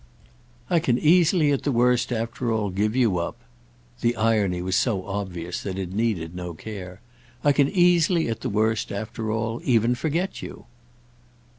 "I can easily at the worst, after all, give you up." The irony was so obvious that it needed no care. "I can easily at the worst, after all, even forget you."